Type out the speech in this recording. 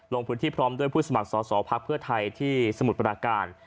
ลงพื้นที่พร้อมด้วยผู้สมัครสอสอภักดิ์เพื่อไทยที่สมุทรปราการ